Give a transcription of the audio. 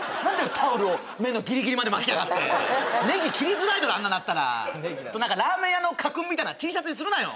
タオルを目のギリギリまで巻きやがってネギ切りづらいだろあんなだったら何かラーメン屋の家訓みたいなのＴシャツにするなよ